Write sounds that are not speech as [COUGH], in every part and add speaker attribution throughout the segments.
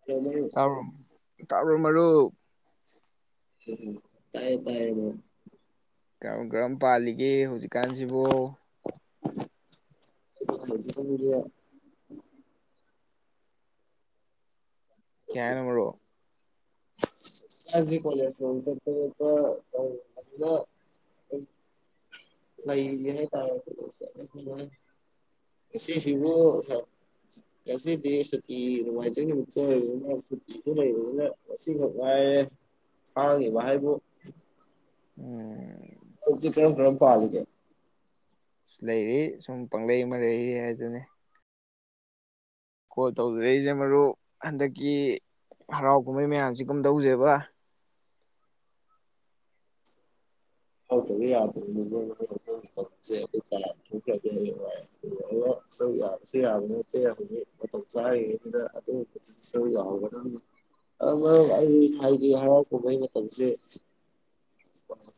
Speaker 1: [UNINTELLIGIBLE]
Speaker 2: ꯇꯥꯕ꯭ꯔꯣ ꯃꯔꯨꯞ
Speaker 1: ꯎꯝ ꯇꯥꯏꯌꯦ ꯇꯥꯏꯌꯦ
Speaker 2: ꯀꯔꯝ-ꯀꯔꯝ ꯄꯥꯜꯂꯤꯒꯦ ꯍꯧꯖꯤꯛꯀꯥꯟꯁꯤꯕꯨ
Speaker 1: [UNINTELLIGIBLE]
Speaker 2: [UNINTELLIGIBLE] ꯃꯔꯨꯞ
Speaker 1: ꯑꯩ ꯍꯧꯖꯥꯛ ꯀꯣꯂꯦꯁ [UNINTELLIGIBLE] ꯑꯗꯨꯗ ꯂꯩꯥꯏ ꯍꯏꯇꯔꯦ ꯉꯁꯤꯁꯤꯕꯨ
Speaker 2: ꯑꯁ
Speaker 1: ꯉꯁꯤꯗꯤ ꯁꯨꯇꯤ ꯅꯨꯡꯉꯏꯗꯣꯏꯅꯦꯀꯣ [UNINTELLIGIBLE] ꯂꯩꯕꯅꯤꯅ ꯉꯁꯤꯃꯛ ꯉꯥꯏꯔꯦ ꯐꯥꯡꯉꯤꯕ ꯍꯥꯏꯕꯨ
Speaker 2: ꯎꯝ
Speaker 1: ꯀꯔꯝ-ꯀ꯭ꯔꯝ ꯄꯥꯂꯤꯒꯦ
Speaker 2: ꯑꯁ ꯂꯩꯔꯤ ꯁꯨꯝ ꯄꯪꯂꯩ ꯑꯃ ꯂꯩꯔꯤ ꯍꯥꯏꯗꯨꯅꯤ ꯀꯣꯜ ꯇꯧꯖꯔꯛꯏꯁꯦ ꯃꯔꯨꯞ ꯍꯟꯗꯛꯀꯤ ꯍꯔꯥꯎ ꯀꯨꯝꯍꯩ ꯃꯌꯥꯝꯁꯤ ꯀꯝꯗꯧꯁꯦꯕ
Speaker 1: ꯍꯧꯗꯕ [UNINTELLIGIBLE] ꯌꯥꯕ ꯅꯠꯇꯦ ꯍꯧꯖꯤꯛ ꯃꯇꯝ ꯆꯥꯉꯅꯤꯅ ꯑꯗꯨ ꯃꯔꯨꯛ ꯑꯩ ꯍꯥꯏꯗꯤ ꯍꯔꯥꯎ ꯀꯨꯝꯕꯩ ꯃꯇꯝꯁꯦ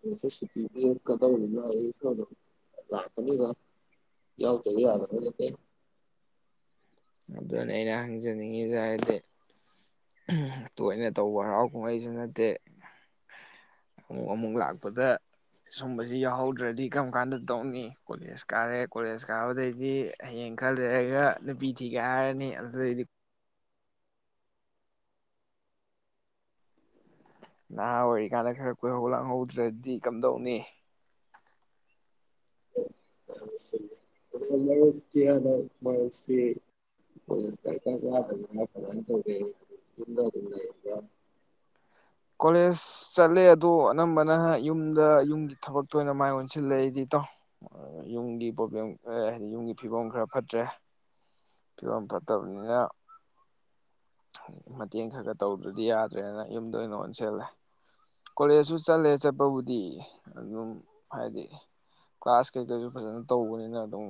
Speaker 1: [INAUDIBLE] ꯁꯨꯇꯤ [UNINTELLIGIBLE] ꯂꯥꯛꯀꯅꯤꯗ ꯌꯥꯎꯗꯦ ꯌꯥꯗꯨ꯭ꯔꯣ ꯍꯧꯖꯤꯇꯤ
Speaker 2: ꯑꯗꯨꯅ ꯑꯩꯅ ꯍꯪꯖꯅꯤꯡꯉꯤꯁꯦ ꯍꯥꯏꯗꯤ ꯇꯣꯏꯅ ꯇꯧꯕ ꯍꯔꯥꯎ ꯀꯨꯝꯍꯩꯁꯨ ꯅꯠꯇꯦ ꯑꯃꯨꯛ-ꯑꯃꯨꯛ ꯂꯥꯛꯄꯗ ꯁꯨꯝꯕꯁꯤ ꯌꯥꯎꯍꯧꯗ꯭ꯔꯗꯤ ꯀꯔꯝ ꯀꯥꯟꯗ ꯇꯧꯅꯤ ꯀꯣꯂꯦꯖ ꯀꯥꯔꯦ ꯀꯣꯂꯦꯖ ꯀꯥꯕꯗꯩꯗꯤ ꯍꯌꯦꯡ ꯈꯜꯂꯔꯒ ꯅꯨꯄꯤ ꯊꯤꯒꯦ ꯍꯥꯏꯔꯅꯤ ꯑꯗꯨꯗꯩꯗꯤ ꯅꯍꯥ ꯑꯣꯏꯔꯤꯀꯥꯟꯗ ꯈꯔ ꯀꯣꯏꯍꯧ ꯂꯥꯡꯍꯧꯗ꯭ꯔꯗꯤ ꯀꯝꯗꯧꯅꯤ
Speaker 1: [UNINTELLIGIBLE] ꯃꯥꯁꯤ [INAUDIBLE]
Speaker 2: ꯀꯣꯂꯦꯖ ꯆꯠꯂꯦ ꯑꯗꯣ ꯑꯅꯝꯕꯅ ꯌꯨꯝꯗ ꯌꯨꯝꯒꯤ ꯊꯕꯛꯛꯇꯣꯏ ꯑꯣꯏꯅ ꯃꯥꯏ ꯑꯣꯟꯁꯤꯜꯂꯦ ꯑꯩꯗꯤ ꯏꯇꯥꯎ ꯌꯨꯝꯒꯤ ꯄ꯭ꯔꯣꯕ꯭ꯂꯦꯝ ꯍꯥꯏꯗꯤ ꯌꯨꯝꯒꯤ ꯐꯤꯕꯝ ꯈꯔ ꯐꯠꯇ꯭ꯔꯦ ꯐꯤꯕꯝ ꯐꯠꯇꯕꯅꯤꯅ ꯃꯇꯦꯡ ꯈꯔ ꯈꯔ ꯇꯧꯗ꯭ꯔꯗꯤ ꯌꯥꯗ꯭ꯔꯦꯅ ꯌꯨꯝꯗ ꯑꯣꯏꯅ ꯑꯣꯟꯁꯤꯜꯂꯦ ꯀꯣꯂꯦꯖꯁꯨ ꯆꯠꯂꯦ ꯆꯠꯄꯕꯨꯗꯤ ꯑꯗꯨꯝ ꯍꯥꯏꯗꯤ ꯀ꯭ꯂꯥꯁ ꯀꯩ-ꯀꯩꯁꯨ ꯐꯖꯅ ꯇꯧꯕꯅꯤꯅ ꯑꯗꯨꯝ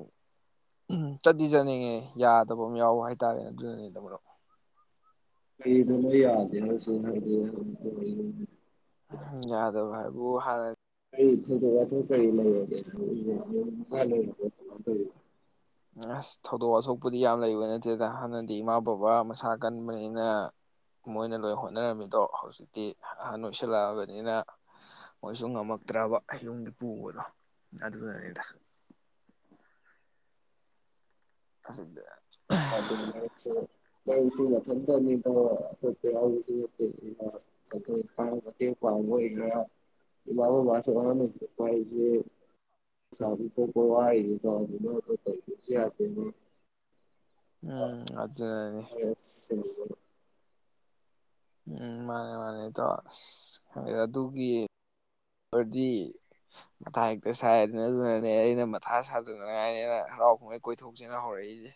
Speaker 2: ꯎꯝ ꯆꯠꯗꯤ ꯆꯠꯅꯤꯡꯉꯦ ꯌꯥꯗꯕ ꯑꯃ ꯌꯥꯎꯕ ꯍꯥꯏꯇꯥꯔꯦ ꯑꯗꯨꯅꯅꯦꯗ ꯃꯔꯨꯞ
Speaker 1: ꯀꯗ ꯅꯣꯏ ꯌꯥꯗꯦ ꯍꯥꯏꯁꯨ ꯍꯥꯏꯗꯤ
Speaker 2: ꯌꯥꯗꯕ ꯍꯏꯕꯨ ꯍ
Speaker 1: ꯀꯔꯤ ꯊꯗꯣꯛ ꯋꯥꯊꯣꯛ ꯀꯔꯤ ꯂꯩꯒꯦ [INAUDIBLE]
Speaker 2: ꯑꯁ ꯊꯧꯗꯣꯛ ꯋꯥꯊꯣꯛꯄꯨꯗꯤ ꯌꯥꯝ ꯂꯩꯕ ꯅꯠꯇꯦꯗ ꯍꯥꯟꯅꯗꯤ ꯏꯃꯥ ꯕꯕꯥ ꯃꯁꯥ ꯀꯟꯕꯅꯤꯅ ꯃꯣꯏꯅ ꯂꯣꯏ ꯍꯣꯠꯅꯔꯝꯃꯤꯗꯣ ꯍꯧꯖꯤꯛꯇꯤ ꯑꯍꯟ ꯑꯣꯏꯁꯜꯂꯛꯑꯕꯅꯤꯅ ꯃꯣꯏꯁꯨ ꯉꯝꯃꯛꯇ꯭ꯔꯕ ꯌꯨꯝꯒꯤ ꯄꯨꯕꯗꯣ ꯑꯗꯨꯗꯅꯤꯗ ꯄꯁꯤꯗ
Speaker 1: ꯅꯡꯁꯨ ꯅꯊꯟꯇꯅꯤ ꯏꯇꯧ ꯑꯇꯣꯞꯄ ꯌꯥꯎꯕꯁꯨ ꯇꯠꯇꯦ [UNINTELLIGIBLE] ꯏꯃꯥ ꯕꯕꯥꯁꯨ ꯑꯍꯟ [UNINTELLIGIBLE] ꯍꯥꯏꯁꯦ ꯁꯥꯗꯤ ꯊꯣꯛꯄ ꯋꯥꯔꯤꯅꯤꯗꯣ [UNINTELLIGIBLE] ꯌꯥꯗꯦ
Speaker 2: ꯎꯝ ꯑꯗꯨꯅꯅꯤ
Speaker 1: [UNINTELLIGIBLE]
Speaker 2: ꯎꯝ ꯃꯥꯅꯦ ꯃꯥꯅꯦ ꯏꯇꯥꯎ ꯑꯁ ꯈꯪꯗꯦꯗ ꯑꯗꯨꯒꯤ ꯔꯗꯤ ꯃꯊꯥ ꯍꯦꯛꯇ ꯁꯥꯏꯗꯅ ꯑꯗꯨꯅꯅꯦ ꯑꯩꯅ ꯃꯊꯥ ꯁꯥꯗꯅꯉꯥꯏꯅꯦꯅ ꯍꯔꯥꯎ ꯀꯨꯝꯍꯩ ꯀꯣꯏꯊꯣꯛ ꯁꯦꯅ ꯍꯧꯔꯛꯏꯁꯦ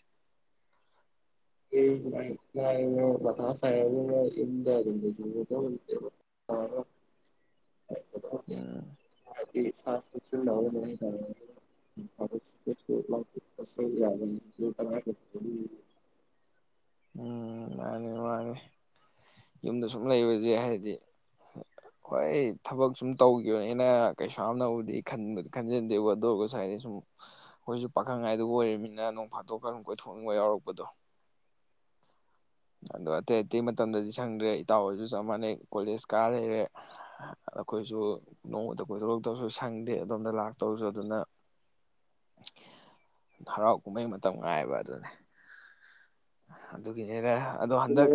Speaker 1: [UNINTELLIGIBLE] [UNINTELLIGIBLE]
Speaker 2: [UNINTELLIGIBLE] ꯎꯝ
Speaker 1: [UNINTELLIGIBLE] [UNINTELLIGIBLE]
Speaker 2: ꯎꯝ ꯃꯥꯅꯦ ꯃꯥꯅꯦ ꯌꯨꯝꯗ ꯁꯨꯝ ꯂꯩꯕꯁꯦ ꯍꯥꯏꯗꯤ [INAUDIBLE] ꯍꯣꯏ ꯊꯕꯛ ꯁꯨꯝ ꯇꯧꯈꯤꯕꯅꯦꯅ ꯀꯩꯁꯨꯌꯥꯝꯅꯕꯨꯗꯤ ꯈꯟꯕꯨꯗꯤ ꯈꯟꯖꯟꯗꯦ ꯑꯗꯨ ꯑꯣꯏꯔꯒ ꯍꯥꯏꯗꯤ ꯁꯨꯝ ꯑꯩꯈꯣꯏꯁꯨ ꯄꯥꯈꯪ ꯍꯥꯏꯗꯨ ꯑꯣꯏꯔꯤꯃꯤꯅ ꯅꯣꯡꯐꯥꯇꯣꯛ ꯀꯥꯡ ꯀꯣꯏꯊꯣꯛꯅꯤꯡꯕ ꯌꯥꯎꯔꯛꯄꯗꯣ ꯑꯗꯣ ꯑꯇꯩ ꯑꯇꯩ ꯃꯇꯝꯗꯗꯤ ꯁꯪꯗ꯭ꯔꯦ ꯏꯇꯥꯎ ꯍꯣꯏꯁꯨ ꯆꯞ ꯃꯥꯟꯅꯩ ꯀꯣꯂꯦꯖ ꯀꯥ ꯂꯩꯔꯦ ꯑꯩꯈꯣꯏꯁꯨ ꯅꯣꯡꯃꯇ ꯀꯣꯏꯊꯣꯔꯛꯇꯕꯁꯨ ꯁꯪꯗꯦ ꯑꯗꯣꯝꯗ ꯂꯥꯛꯇꯧꯁꯨ ꯑꯗꯨꯅ ꯍꯔꯥꯎ ꯀꯨꯝꯍꯩ ꯃꯇꯝ ꯉꯥꯏꯕ ꯑꯗꯨꯅꯦ ꯑꯗꯨꯒꯤꯅꯦꯗ ꯑꯗꯣ ꯍꯟꯗꯛ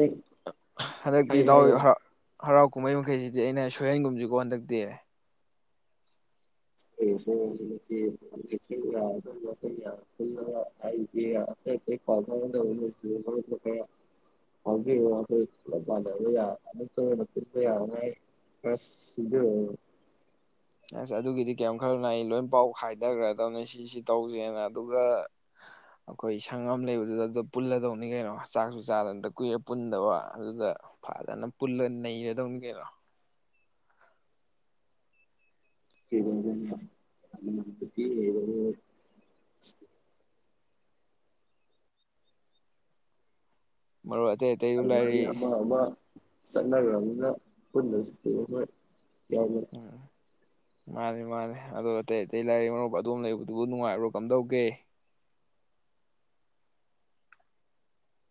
Speaker 2: ꯍꯟꯗꯛꯇꯤ
Speaker 1: ꯍꯥꯏꯌꯣ ꯍꯥꯏꯌꯣ
Speaker 2: ꯍꯔ ꯍꯔꯥꯎ ꯀꯨꯝꯍꯩ ꯃꯈꯩꯁꯤꯗꯤ ꯑꯩꯅ ꯁꯣꯏꯍꯦꯟꯒꯨꯝꯕꯁꯤꯀꯣ ꯍꯟꯗꯛꯇꯤ
Speaker 1: [UNINTELLIGIBLE] [UNINTELLIGIBLE] [UNINTELLIGIBLE] ꯑꯁ [UNINTELLIGIBLE]
Speaker 2: ꯑꯁ ꯑꯗꯨꯒꯤꯗꯤ ꯀꯔꯤꯝ ꯈꯜꯂꯨꯅꯨ ꯑꯩ ꯂꯣꯏ ꯄꯥꯎ ꯍꯥꯏꯗꯈ꯭ꯔꯗꯧꯅꯤ ꯁꯤꯁꯤ ꯇꯧꯁꯦꯅ ꯑꯗꯨꯒ ꯑꯩꯈꯣꯏ ꯁꯪ ꯑꯃ ꯂꯩꯕꯗꯨꯗ ꯑꯗꯨ ꯄꯨꯜꯂꯗꯧꯅꯤ ꯀꯩꯅꯣ ꯆꯥꯛꯁꯨ ꯆꯥꯗ ꯑꯗ ꯀꯨꯏꯔꯦ ꯄꯨꯟꯗꯕ ꯑꯗꯨꯗ ꯐꯖꯅ ꯄꯨꯜꯂꯒ ꯅꯩꯔꯗꯧꯅꯤ ꯀꯩꯅꯣ
Speaker 1: [UNINTELLIGIBLE]
Speaker 2: ꯃꯔꯨꯞ ꯑꯇꯩ ꯑꯇꯩꯁꯨ ꯂꯩꯔꯤ
Speaker 1: [UNINTELLIGIBLE] ꯑꯃ ꯑꯃ ꯆꯠꯅꯈ꯭ꯔꯕꯅꯤꯅ ꯄꯨꯟꯗꯁꯨ [UNINTELLIGIBLE]
Speaker 2: ꯎꯝ ꯃꯥꯅꯤ ꯃꯥꯅꯦ ꯑꯗꯣ ꯑꯇꯩ ꯑꯇꯩ ꯂꯥꯏꯔꯤ ꯃꯔꯨꯞ ꯑꯗꯨꯣꯝ ꯂꯩꯕꯗꯨꯕꯨ ꯅꯨꯡꯉꯥꯏꯕꯔꯣ ꯀꯝꯗꯧꯒꯦ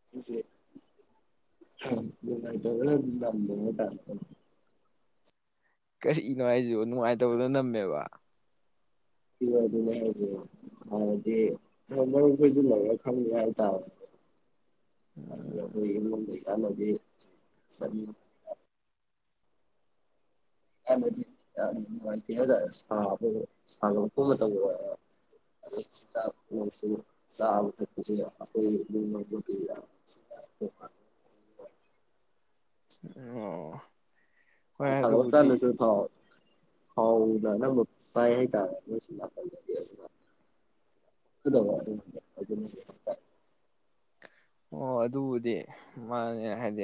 Speaker 1: [UNINTELLIGIBLE] ꯅꯨꯡꯉꯥꯏꯇꯕꯅ ꯅꯝꯃꯦ [UNINTELLIGIBLE]
Speaker 2: ꯀꯔꯤꯅꯣ ꯍꯥꯏꯁꯤꯕꯣ ꯅꯨꯡꯉꯥꯏꯇꯕꯅ ꯅꯝꯃꯦꯕ
Speaker 1: [UNINTELLIGIBLE] ꯑꯗꯗꯤ ꯃꯔꯨꯞ ꯍꯣꯏꯁꯨ ꯂꯩꯔ ꯈꯪꯅꯤ ꯍꯥꯏꯇꯥꯔꯦ
Speaker 2: ꯎꯝ
Speaker 1: [UNINTELLIGIBLE] ꯍꯥꯏꯕꯗꯤ ꯌꯥꯝ ꯅꯨꯡꯉꯥꯏꯇꯦ ꯍꯥꯏꯇꯥꯔꯦ ꯁꯥꯕꯒ ꯁꯥꯒꯠꯂꯛꯄꯒ ꯇꯧꯕ [UNINTELLIGIBLE] ꯆꯥꯕ ꯊꯛꯄꯁꯨ [UNINTELLIGIBLE] [INAUDIBLE]
Speaker 2: ꯑꯣ ꯍꯣꯏ
Speaker 1: ꯅꯨꯡꯁꯥ
Speaker 2: ꯑꯗꯨꯕꯨꯗꯤ
Speaker 1: ꯁꯥꯒꯠꯂꯛꯀꯥꯟꯗꯁꯨ ꯍꯥꯎ ꯊꯥꯎꯅ ꯑꯅꯝꯕ ꯆꯥꯏ ꯍꯥꯏꯇꯥꯔꯦ ꯃꯣꯏ ꯁꯨꯝ ꯅꯥꯀꯟꯗꯗꯤ [UNINTELLIGIBLE] [UNINTELLIGIBLE]
Speaker 2: ꯑꯣ ꯑꯗꯨꯕꯨꯗꯤ ꯃꯥꯅꯦ ꯍꯥꯏꯗꯤ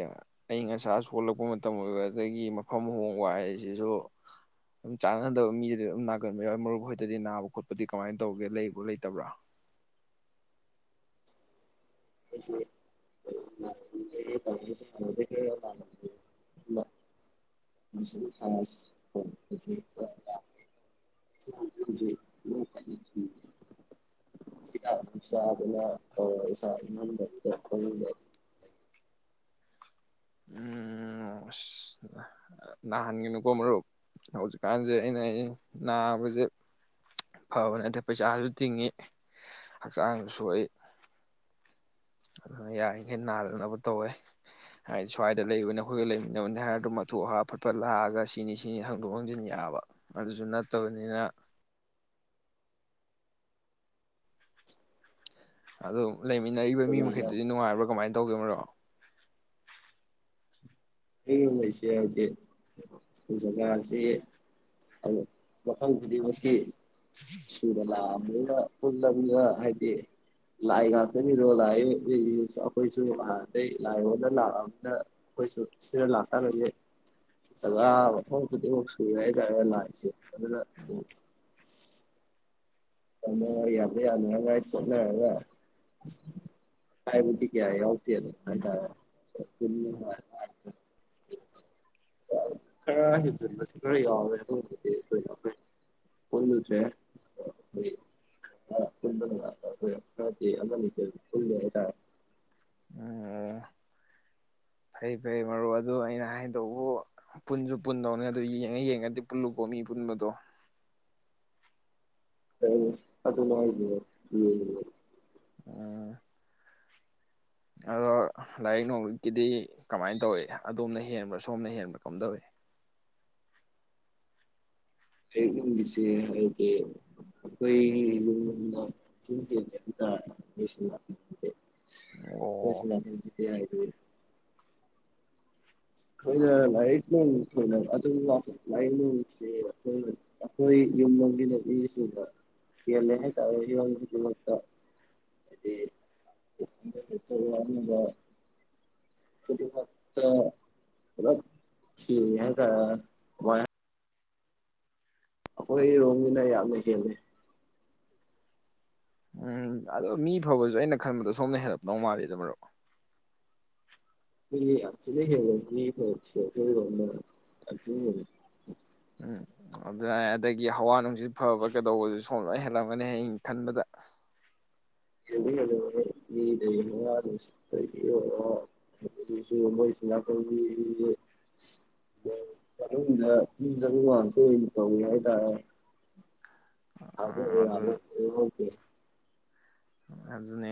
Speaker 2: ꯑꯏꯪ ꯑꯁꯥꯁꯨ ꯑꯜꯂꯛꯄ ꯃꯇꯝ ꯑꯣꯏꯕ ꯑꯗꯒꯤ ꯃꯐꯝ ꯍꯣꯡꯕ ꯍꯥꯏꯁꯤꯁꯨ ꯑꯗꯨꯝ ꯆꯥꯅꯗꯕ ꯃꯤꯗꯗꯤ ꯑꯗꯨꯝ ꯅꯥꯒꯟꯕ ꯌꯥꯎꯋꯦ ꯃꯔꯨꯞ ꯍꯣꯏꯗꯗꯤ ꯅꯥꯕ ꯈꯣꯠꯄꯗꯤ ꯀꯃꯥꯏꯅ ꯇꯧꯒꯦ ꯂꯩꯕ꯭ꯔꯣ ꯂꯩꯇꯕ꯭ꯔꯣ
Speaker 1: [UNINTELLIGIBLE] ꯈ ꯎ ꯎꯝ ꯏꯁꯥ ꯑꯗꯨꯅ ꯇꯧ
Speaker 2: ꯂꯨ ꯎꯝ ꯅꯥꯍꯟꯒꯅꯨꯀꯣ ꯃꯔꯨꯞ ꯍꯧꯖꯤꯛꯀꯥꯟꯁꯦ ꯑꯩꯅ ꯑꯩ ꯅꯥꯕꯁꯦ ꯐꯕꯅꯦ ꯑꯗ ꯄꯩꯁꯥꯁꯨ ꯇꯤꯡꯉꯤ ꯍꯛꯆꯥꯡꯁꯨ ꯁꯣꯛꯏ ꯑꯗꯨꯅ ꯌꯥꯔꯤꯈꯩ ꯅꯥꯟꯅꯅꯕ ꯇꯧꯋꯦ ꯍꯥꯏꯗꯤ ꯁ꯭ꯋꯥꯏꯗ ꯂꯩꯕꯅꯤ ꯑꯩꯈꯣꯏꯒ ꯂꯩꯃꯤꯟꯅꯕꯅꯤ ꯍꯥꯏꯔ ꯑꯗꯨꯝ ꯑꯊꯨ ꯑ ꯍꯥ ꯐꯠꯄ ꯂꯥꯛꯑꯒ ꯁꯤꯅꯤ ꯁꯤꯅꯤ ꯍꯥꯡꯗꯣꯛ ꯍꯪꯖꯤꯟ ꯌꯥꯕ ꯑꯗꯨꯁꯨ ꯅꯠꯇꯕꯅꯤꯅ
Speaker 1: [UNINTELLIGIBLE]
Speaker 2: ꯑꯗꯨ ꯂꯩꯃꯤꯟꯅꯔꯤꯕ ꯃꯤ
Speaker 1: ꯑꯗꯨꯃꯥꯏꯅ
Speaker 2: ꯃꯈꯩꯗꯨꯗꯤ ꯅꯨꯡꯉꯥꯏꯕ꯭ꯔꯥ ꯀꯃꯥꯏꯅ ꯇꯧꯒ ꯃꯔꯣ
Speaker 1: ꯑꯩꯨꯝꯍꯩꯁꯦ ꯍꯥꯏꯗꯤꯖꯒꯥꯁꯤ ꯃꯐꯝ ꯈꯨꯗꯤꯡꯃꯛꯀꯤ ꯗ ꯂ ꯄꯨꯜ ꯄꯨꯂ ꯍꯥꯏꯗꯤꯦ ꯂꯥꯏ ꯉꯥꯛꯇꯅꯤꯗꯣ ꯂꯥꯛꯑ ꯑꯩꯈꯣꯏꯁꯨ ꯑꯥꯟꯗꯩ ꯂꯥꯏ ꯍꯗ ꯂꯥꯛꯑ ꯀꯣꯏꯁꯨ ꯁꯤꯔ ꯂꯥꯛꯀꯔꯦ ꯁ ꯋꯥꯐꯝꯐꯝ ꯐꯗꯤꯃ ꯁꯨ ꯌꯥꯏ ꯇꯔ ꯂꯥꯛꯁꯤꯦ ꯑꯗꯨꯅ ꯑ ꯌꯥꯗ ꯀꯏ ꯆꯗ ꯀꯥꯏꯕꯨꯤ ꯀꯌꯥ ꯑꯇ ꯈꯔ ꯍꯦꯟꯖꯤꯟꯕꯁꯨ ꯈꯔ ꯌꯥꯎꯋꯦ ꯑꯗꯨꯕꯨꯗꯤ ꯑꯩꯣꯏꯅ ꯑꯩꯈꯣꯏ ꯐꯗꯨꯁꯦ ꯍꯣꯏꯥꯛ ꯄꯨ ꯍꯥꯏꯇꯥ
Speaker 2: ꯎꯝ ꯑꯣ ꯐꯩ ꯐꯩ ꯃꯔꯨꯞ ꯑꯗꯨ ꯑꯩꯅ ꯍꯥꯏꯗꯧꯕ ꯄꯨꯟꯁꯨ ꯄꯨꯟꯗꯧꯅꯦ ꯑꯗꯨ ꯌꯦꯡꯉ ꯌꯦꯡꯉꯗꯤ ꯄꯨꯜꯂꯨꯀꯣ ꯃꯤ ꯄꯨꯟꯕꯗꯣ
Speaker 1: ꯑ ꯑꯗꯨ ꯂꯉ ꯍꯥꯏꯖ
Speaker 2: ꯎꯝ ꯑꯗꯣ ꯂꯥꯏꯔꯤꯛ ꯅꯣꯡꯃꯤꯒꯤꯗꯤ ꯀꯃꯥꯏꯅ ꯇꯧꯏ ꯑꯗꯣꯝꯅ ꯍꯦꯟꯕ꯭ꯔꯥ ꯁꯣꯝꯅ ꯍꯦꯟꯕ꯭ꯔꯥ ꯀꯝ ꯇꯧꯏꯤ
Speaker 1: ꯑꯩ ꯌꯨꯝꯒꯤꯁꯤ ꯍꯥꯏꯒꯦ ꯑꯩꯈꯣꯏꯅ ꯀꯁꯨ
Speaker 2: ꯑꯣ
Speaker 1: ꯂ ꯍꯥꯏ ꯑꯩꯈꯣꯏꯅ ꯂꯥꯏꯠꯅꯤꯡꯣꯏꯅ ꯑꯗꯨꯝ ꯂꯥꯏꯅꯤꯡꯁꯦ ꯑꯩꯈꯣꯏꯅ ꯑꯩꯈꯣꯏ ꯌꯨꯝ ꯃꯅꯨꯡꯒꯤ ꯅꯨ ꯃꯤꯁꯤꯡꯅ ꯍꯦꯜꯂꯦ ꯍꯥꯏꯇꯥꯔꯦ ꯌꯔꯣꯡ ꯈꯨꯗꯤꯡꯃꯛꯇ ꯑꯗꯨꯗꯤ ꯇ ꯋꯥꯝꯕ ꯑꯗꯨꯗꯤꯃꯛꯇ ꯍꯂ ꯁꯤ ꯍ ꯀ ꯑꯩꯈꯣꯏꯔꯣꯝꯅꯤꯅ ꯌꯥꯝꯅ ꯍꯦꯜꯂꯤ
Speaker 2: ꯎꯝ ꯑꯗꯣ ꯃꯤ ꯐꯕꯁꯨ ꯑꯩꯅ ꯈꯟꯕꯗꯣ ꯁꯣꯝꯅ ꯍꯦꯜꯂꯞꯗꯧ ꯃꯥꯜꯜꯂꯤꯦꯗꯕ꯭ꯔꯣ
Speaker 1: ꯑꯖꯂ ꯍꯦꯂ ꯃꯤꯁꯤ ꯍ ꯑꯂ
Speaker 2: ꯎꯝ ꯑꯗꯨꯅ ꯑꯗꯒꯤ ꯍꯋꯥ ꯅꯨꯡꯁꯤꯠ ꯐꯕ ꯀꯩꯗꯧꯕꯗꯨ ꯁꯣꯝ ꯂꯣꯏ ꯍꯦꯜꯂꯝꯒꯅꯤ ꯍꯌꯦꯡ ꯈꯟꯕꯗ
Speaker 1: ꯔꯗꯗ ꯁꯨꯝꯕꯣꯏꯁꯤꯅꯥꯥꯛꯀ ꯑ ꯃꯅꯨꯡꯗ ꯆ ꯆꯕ ꯉꯥꯟꯇ ꯑꯣꯏꯅ ꯇꯧꯋꯤ ꯍꯥꯏꯇꯥꯔꯦ
Speaker 2: ꯑꯥ ꯑꯗꯨ
Speaker 1: ꯑꯗꯨꯦꯦ
Speaker 2: ꯑꯗꯨꯅꯦ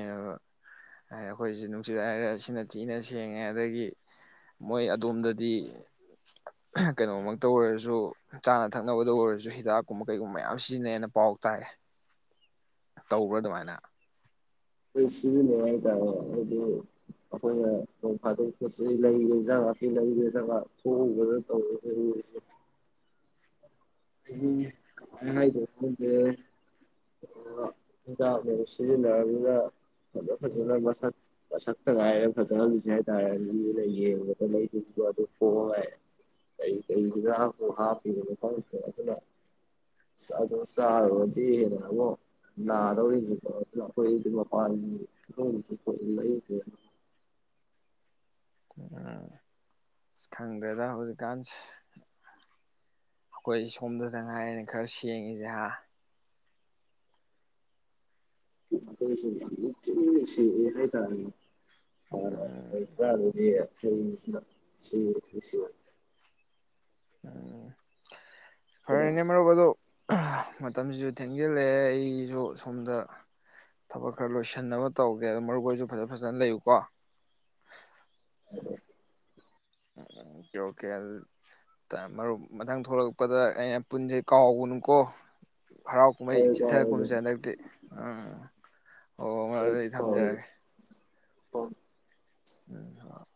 Speaker 2: ꯑꯩꯈꯣꯏꯁꯦ ꯅꯨꯡꯁꯤꯠ ꯍꯥꯏꯔꯒ ꯁꯤꯅ ꯊꯤꯅ ꯁꯦꯡꯉꯦ ꯑꯗꯒꯤ ꯃꯣꯏ ꯑꯗꯣꯝꯗꯗꯤ ꯀꯩꯅꯣꯃꯛꯇ ꯑꯣꯏꯔꯁꯨ ꯆꯥꯅ ꯊꯛꯅꯕꯗ ꯑꯣꯏꯔꯁꯨ ꯍꯤꯗꯥꯛꯀꯨꯝꯕ ꯀꯩꯒꯨꯝꯕ ꯃꯌꯥꯝ ꯁꯤꯖꯤꯟꯅꯩꯅ ꯄꯥꯎ ꯇꯥꯏꯌꯦ ꯇꯧꯕ꯭ꯔꯥ ꯑꯗꯨꯃꯥꯏꯅ
Speaker 1: ꯄꯩꯁꯨ ꯅꯉ ꯇꯦ ꯍꯥꯏ ꯑꯩꯈꯣꯏꯅ ꯇꯣꯡ ꯐꯥꯗꯣꯛ ꯈꯣꯠꯆ ꯂꯩꯒꯗꯕ ꯁꯤ ꯂꯩꯒꯗꯕ ꯊꯣꯛꯎꯕꯗ ꯇꯧꯔꯁꯦꯨꯔꯤꯁꯦ ꯎꯝ ꯍꯥꯏꯗ ꯍꯤꯗꯥꯛ ꯁꯤꯖꯤꯟꯅꯔꯕꯗ ꯐꯖ ꯐꯖꯅ ꯃꯁꯛ ꯑꯁꯛꯇ ꯀꯥꯏ ꯐꯒꯁ ꯇꯔꯌꯦ ꯑꯗꯨ ꯐꯣ ꯍꯥꯏ ꯀꯩ ꯀꯩꯒ ꯍꯥ ꯐ ꯑꯗꯨ ꯆꯗꯣ ꯆꯥꯗꯤꯦꯔꯕꯣ ꯗꯧꯁꯨꯄ
Speaker 2: ꯎ ꯑꯁ ꯈꯪꯗ꯭ꯔꯦꯗ ꯍꯧꯖꯤꯛꯀꯥꯟ ꯑꯩꯈꯣꯏ ꯁꯣꯝꯗꯗ ꯍꯥꯏꯥꯏꯔꯤꯅꯦ ꯈꯔ ꯁꯦꯡꯉꯁꯦ ꯍꯥ
Speaker 1: ꯁꯤꯍ ꯇꯔ ꯑ
Speaker 2: ꯎꯝ
Speaker 1: ꯑꯩ ꯀ ꯑꯗꯨ ꯁꯤ ꯁꯤ
Speaker 2: ꯎꯝ ꯐꯔꯩꯅ ꯃꯔꯨꯞ ꯑꯗꯣ ꯃꯇꯝꯁꯤꯁꯨ ꯊꯦꯡꯖꯤꯜꯂꯛꯑꯦ ꯑꯩꯁꯨ ꯁꯣꯝꯗ ꯊꯕꯛ ꯈꯔ ꯂꯣꯏꯁꯤꯟꯅꯕ ꯇꯧꯒꯦ ꯑꯗꯣ ꯃꯔꯨꯣꯏꯁꯨ ꯐꯖ ꯐꯖꯅ ꯂꯩꯌꯨꯀꯣ
Speaker 1: ꯎꯝ
Speaker 2: ꯀꯣꯀꯦ ꯃꯔꯨꯞ ꯃꯊꯪ ꯊꯣꯛꯂꯛꯄꯗ ꯑꯩꯅ ꯄꯨꯟꯁꯦ ꯀꯥꯎꯒꯅꯨꯀꯣ ꯍꯔꯥꯎ ꯀꯨꯝꯍꯩ
Speaker 1: ꯍꯣꯏ ꯀꯥꯎꯔꯦ
Speaker 2: ꯆꯤꯊꯒꯨꯝꯁꯦ ꯍꯟꯗꯛꯇꯤ ꯎꯝ ꯍꯣ ꯃꯔꯨꯞ
Speaker 1: ꯑꯩ
Speaker 2: ꯑꯗꯨꯗꯤ
Speaker 1: ꯍꯣ
Speaker 2: ꯊꯝꯖꯔꯒꯦ ꯎꯝ ꯍ